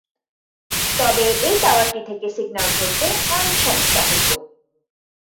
তবে এই টাওয়ারটি থেকে সিগন্যাল ধরতে অনেক সমস্যা হতো।